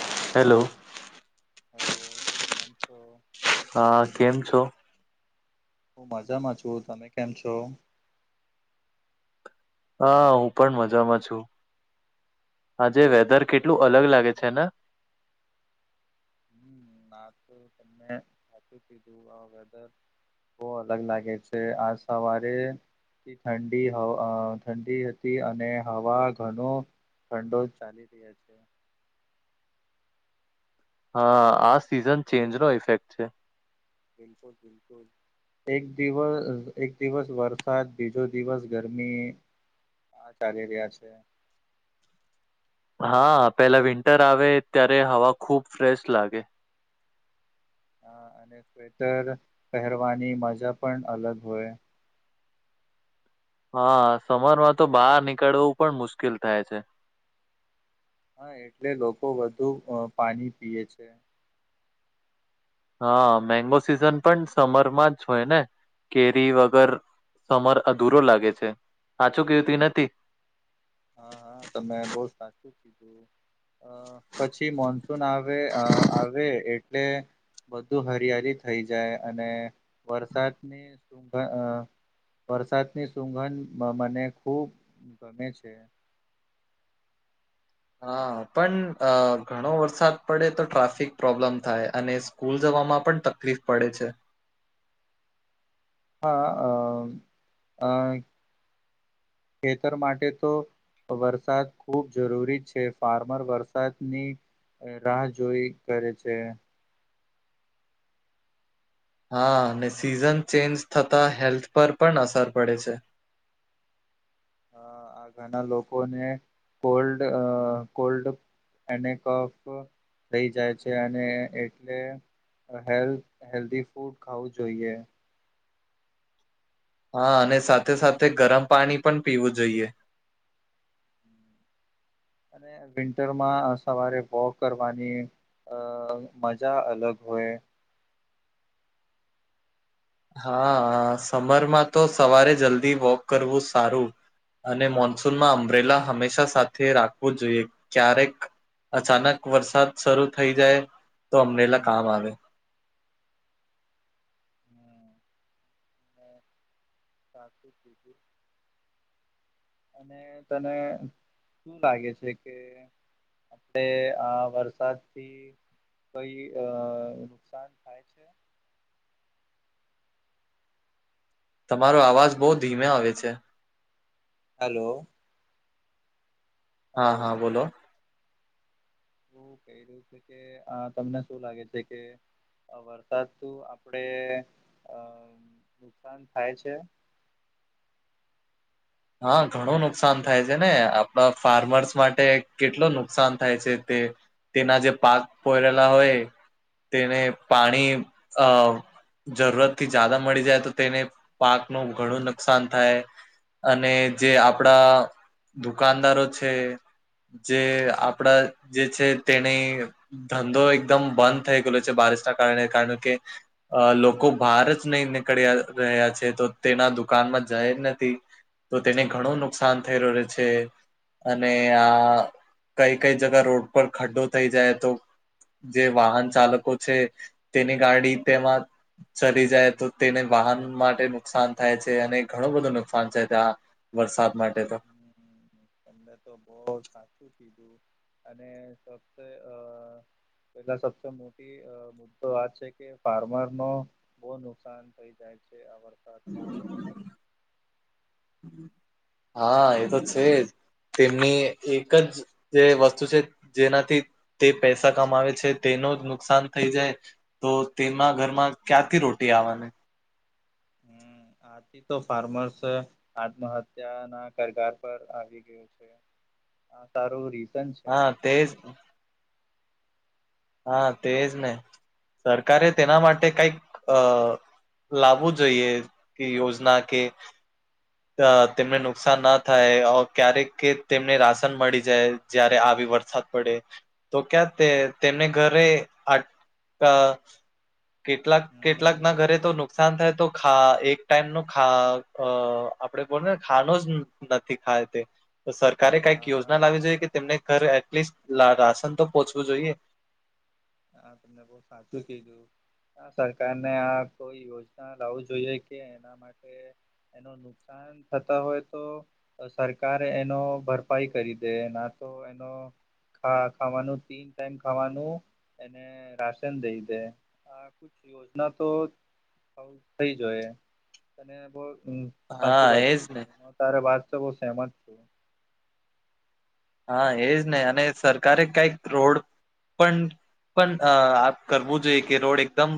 Hello hello. Hello કેમ છો. હા કેમ છો. હું મજામાં છું તમે કેમ છો. હા હું પણ મજામાં છું આજે હમ, વેધર શું કેટલું કરેલો અલગ છો લાગે તમે છે ને હમ ના તો તને સાચું કીધું વેધર બહુ અલગ લાગે છે આજ સવારે ઠંડી હવા ઠંડી હતી અને હવા ઘણું. ખઠંડો જ ચાલી રહ્યા છે. હા આ સિઝન ચેન્જ નો ઇફેક્ટ છે. બિલકુલ બિલકુલ. એક દિવસ એક દિવસ વરસાદ બીજો દિવસ ગરમી. હા ચાલી રહ્યા છે. હા પેલા વિન્ટર આવે ત્યારે હવા ખુબ ફ્રેશ લાગે. અ અને સ્વેટર પહેરવાની મજા પણ અલગ હોય. હા સમરમાં તો બહાર નીકળવું પણ મુશ્કેલ થાય છે. હા એટલે લોકો વધુ પાણી પી છે. હા મેંગો સિઝન પણ સમરમાં જ હોય ને કેરી વગર સમર અધૂરો લાગે છે સાચું કવતી નથી. હા હા તમે બહ સાચું કીધું પછી મો આવે આવે એટલે બધું હરિયાલી થઈ જાય અને વરસાદની વરસાદની સુંઘન મને ખુબ ગમે છે. હા પણ અ ઘણો વરસાદ પડે તો ટ્રાફિક પ્રોબ્લેમ થાય અને સ્કૂલ જવામાં પણ તકલીફ પડે છે. હા અ અ ખેતર માટે તો વરસાદ ખૂબ જરૂરી છે. ફાર્મર વરસાદની રાહ જોઈ કરે છે. હા સિઝન ચેન્જ થતા હેલ્થ પર પણ અસર પડે છે. અ આ ઘણા લોકોને કોલ્ડ કોલ્ડ અનેફ રઈ જાય છે અને એટલે હેલ્થ હેલ્ધી ફૂડ ખાવું જોઈએ. હા અને સાથે સાથે ગરમ પાણી પણ પીવું જોઈએ. અને વિન્ટરમાં સવારે વોક કરવાની અ મજા અલગ હોય. હા સમરમાં તો સવારે જલ્દી વોક કરવું સારું. અને મોનસૂનમાં અંબરેલા હંમેશા સાથે રાખવું જોઈએ ક્યારેક અચાનક વરસાદ શરૂ થઇ જાય તો અમનેલા કામ આવે. [inaudible] અને તને શું લાગે છે કે. આપ આ વરસાદ થી કઈ નુકસાન થાય છે. તમારો આવાજ બઉુ ધીમે આવે છે. હલો. હા હલો હા બોલો. એું ક્યું છે કે આ તમને શું લાગે છે કે વરસાદ તું આપડે અ નુકસાન થાય છે. હા ઘણું નુકસાન થાય છે ને આપણા ફાર્મર્સ માટે કેટલ નુકસાન થાય છે તે. તેના જે પાક પરેલા હોય તેને પાણી અ જરૂરત થી જદા મળી જાય તો તેને પાકનું ઘણું નુકસાન થાય. અને જે આપડા દુકાનદારો છે. જે આપડા જે છે તેને ધંધો એકદમ બંધ થઈ ગયેલો છે બારિશના કારણે કારણ કે અ લોકો બહાર જ નહી નીકળ્યા રહ્યા છે તો તેના દુકાનમાં જાય જ નથી. તો તેને ઘણું નુકસાન થઈ રહ છે. અને આ કઈ કઈ જગા રોડ પર ખડ્ડો થઈ જાય તો જે વાહન ચાલકો છે તેની ગાડી તેમાં ચરી જાય તો તેને વાહન માટે નુકસાન થાય છે અને ઘણું બધું નુકસાન થ. ત્યા વરસાદ માટે તો હ તમને તો બહ સાચું કીધું. અને સબ અ પેલા સબથી મોટી મુદ્દો આ છે કે ફાર્મર નો બહુ નુકસાન થઈ જાય છે આ વર્ હા એતો છેજ તેમની એક જ જે વસ્તુ છે જેનાથી તે પૈસા કમાવે છે તેનો નુકસાન થઈ જાય. તો તેના ઘરમાં ક્યાંથી રોટી આવવાની. હમ આથી તો ફાર્મર્સ આત્મહત્યા ના કરગાર પર આવી ગયો આ સારું રીઝન છે હા તેજ હા તેજ ને સરકારે તેના માટે કઈક અ લાવવું જોઈએ કે યોજના કે [inaudible] અ તેમને નુકસાન ના થાય ક્યારેક તેમને રાશન મળી જાય. જયારે આવી વરસાદ પડે તો ક્યા તે તેમને ઘરે આ કેટલાક હમ કેટલાક ના હમ ઘરે તો નુકસાન થાય તો ખા એક ટાઈમ નો ખા આપડે બોને ખાનો જ નથી ખાય તે સરકારે કઈક હા હા યોજના લાવવી જોઈએ કે તેમને ઘરે એટલીસ્ટ રાશન તો પોહોંચવું જોઈએ. હા તમેં બઉ સાચું કીધું. હા સરકાર ને આ કોઈ યોજના લાવું જોઈએ કે એના માટે એનો નુકસાન થતા હોય તો તો સરકાર એનો ભરપાઈ કરી દે ના તો એનો ખા ખાવાનું તીન ટાઈમ ખાવાનું એને રાશન દઈ દે. યોજના તો થઈ જોઈ અને બહ [unintelligible] હા સાચું વાત એજ ને કીધું હ તારે વાત થી હું સેમત છું. હા એજ નહી અને સરકારે કઈક રોડ પણ પણ આપ કરવું જોઈએ કે રોડ એકદમ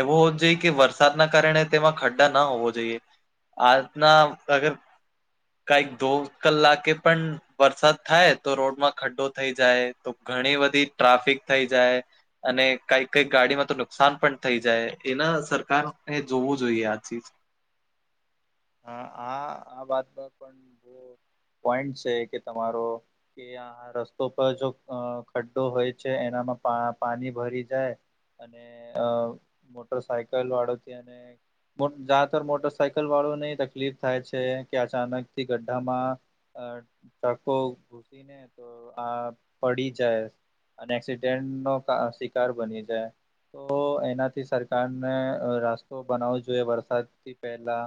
એવો હોવ જોઈએ કે વરસાદના કારણે તેમાં ખડ્ડા ના હોવો જોઈએ. આજના અગર કઈ દો કલાકે પણ વરસાદ થાય તો રોડમાં ખડ્ડો થઈ જાય તો ઘણી બધી ટ્રાફિક થઈ જાય. અને કઈક કઈક ગાડીમાં તો નુકસાન પણ થઈ જાય એના સરકારને જોવું જોઈએ આ ચીજ હા આ આ વાતમાં પણ બહ પોઈન્ટ છે કે તમારો કે આ રસ્તો પર જો ખડ્ડો હોય છે એનામાં પાણી ભરી જાય અને અ મોટર સાાયકલ વાળોથી અને જાતર મોટર સાઇકલ વાળો તકલીફ થાય છે કે અચાનક થી ગ્ઢામાં ટ્રકો ઘૂસીને તો આ પડી જાય અને એક્સિડેન્ટ નો શિકાર બની જાય. તો એનાથી સરકારને રસ્તો બનાવવો જોઈએ વરસાદથી પહેલા.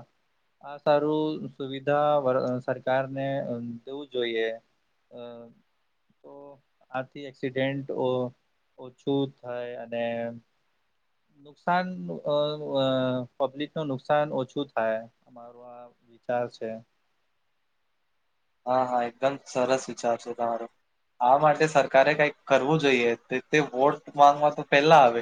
આ સારું સુવિધા સરકારને દેવું જોઈએ. હ તો આથી એક્સિડેન્ટ ઓછું થાય અને નુકસાન પબ્લિક નું નુકસાન ઓછું થાય અમારું આ વિચાર છે હા હા એકદમ સરસ વિચાર છે તમારો. આ માટે સરકારે કઈક કરવું જોઈએ તે વોટ માંગવા તો પેલા આવે.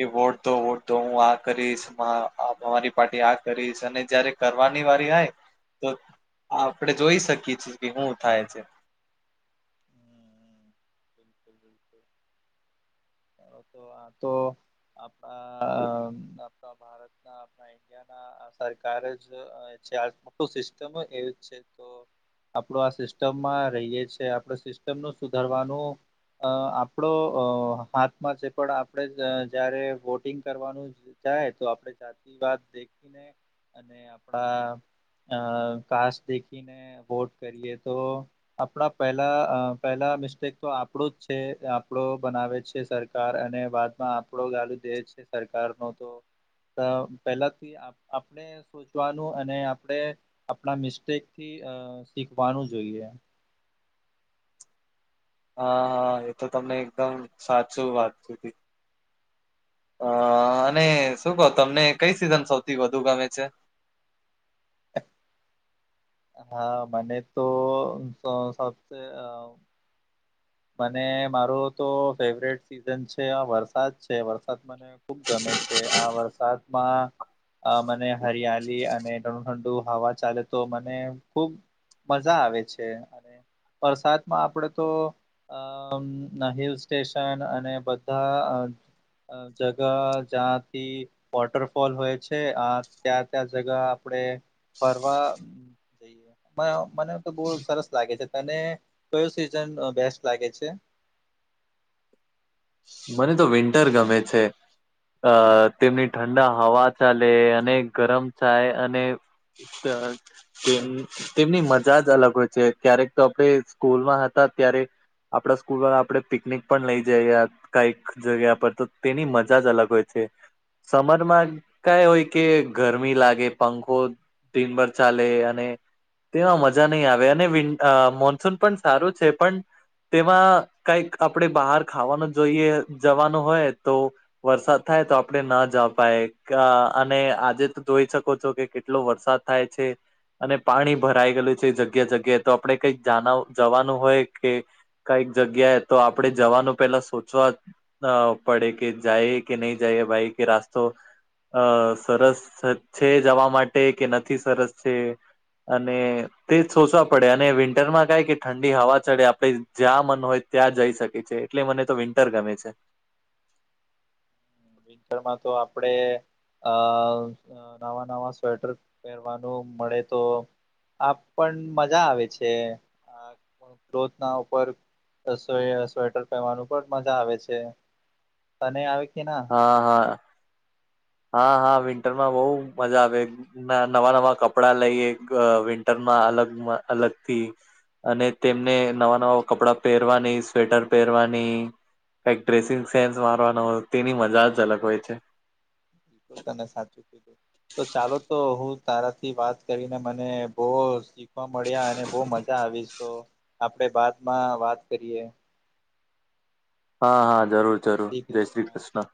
કે વોટ દો વોટ દો હું આ કરીશ અમારી પાર્ટી આ કરીશ અને જયારે કરવાની વાળી આય તો આપડે જોઈ શકીએ છીએ કે હું થાય છે. [inaudible] તો આ તો આપણા આપણા ભારતના આ ઈન્ડિયા ના આ સરકાર જ છે આ મોટું સિસ્ટમ એ છે તો આપડો આ સિસ્ટમમાં રહીએ છેએ આપડ સિસ્ટમ નું સુધારવાનું અ આપડો અ હાથમાં છે પણ આપણે જયારે વોટિંગ કરવાનું જાય તો આપડ દેીને અને આપણા અ કાસ દેખીને [inaudible] વોટ કરીએ તો આપણા પહેલા પહેલા મિસ્ટેક તો આપણો જ છે આપણો બનાવે છે. સરકાર અને બાદમાં આપણો ગાલ દે છે સરકાર નો તો પેલાથી આપણે [inaudible] સોચવાનું અને આપણે આપણા મિસ્ટેક થી અ શીખવાનું જોઈએ હા હા એ તો તમને એકદમ સાચું વાત કીધી હ અને શું કહો તમને કઈ સિઝન સૌથી વધુ ગમે છે. હા મને તો સૌથી મને મારો તો ફેવરેટ સિઝન છે વરસાદ છે વરસાદ મને ખુબ ગમે છે આ વરસાદમાં અ મને હરિયાલી અને ઘણું ઠંડું હવા ચાલે તો મને ખુબ મજા આવે છે અને વરસાદમાં આપડ તો અ હિલ સ્ટેશન અને બધા અ જગહ જથી વોટરફોલ હોય છે આ ત્યાં ત્યાં જગા આપડે ફરવા મને તો બહ સરસ લાગે છે તને કયો સીઝન બેસ્ટ લાગે છે. મને તો વિન્ટર ગમે છે. અ તેમની ઠંડા હવા ચાલે અને ગરમ ચાય અને. [unintelligible] તેમ તેમની મજા જ અલગ હોય છે ક્યારેક તો આપણે સ્કૂલમાં હતા ત્યારે. આપડા સ્કૂલ વાળા આપડે પિકનિક પણ લઇ જઈએ [inaudible] કઈક જગ્યા પર તો તેની મજા જ અલગ હોય છે. સમરમાં કઈ હોય કે ગરમી લાગે પંખો. ટીન ભર ચાલે અને. તેમાં મજા નહીં આવે અને વિ મોનસૂન પણ સારું છે પણ. તેમાં કઈક આપણે બહાર ખાવાનું જોઈએ જવાનું હોય તો. વરસાદ થાય તો આપડ ન જ પાય અને આજે તો જોઈ શકો છો કે કેટલો વરસાદ. થાય છે. અને પાણી ભરાઈ ગયેલું છે જગ્યા જગ્યા તો આપણે કઈક જવાનું હોય કે. કઈક જગ્યાએ તો આપડે જવાનું પેલા સોચ [unintelligible] પડે કે જઈ કે નહી જઈ ભાઈ કે રાસ્તો. અ સરસ છે જવા માટે કે નથી સરસ છે. અને તે સોચવા પડે અને વિન્ટર માં કઈ કે ઠંડી હવા ચડે આપણે. જ્યાં મન હોય ત્યાં જઈ શકે છે એટલે મને તો વિન્ટર ગમે છે. વિન્ટરમાં તો આપડે અ. નવા નવા સ્વેટર પહેરવાનું મળે તો. આપ પણ મજા આવે છે. ક્લોથ ના ઉપર સ્વેટર પહેરવાનું પણ મજા આવે છે. તને આવે કે ના. હા હા હા હા વિન્ટરમાં બઉ મજા આવે. ના નવા નવા કપડા લઈએ વિન્ટરમાં અલગમાં અલગ થી. અને તેમને નવા નવા કપડાં પહેરવાની સ્વેટર પહેરવાની. કંઈક ડ્રેસિંગ સેન્સ મારવાનો હોય તેની મજા જ અલગ હોય છે. બિલકુલ તને સાચું કીધું. તો ચાલો તો હું તારાથી વાત કરીને મને બહ. મળ્યા અને બહુ મજા આવીશ તો આપડે બાદમાં વાત કરીએ. હા હા જરૂર જરૂર જય શ્રી કૃષ્ણ.